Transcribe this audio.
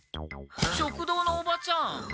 食堂のおばちゃん。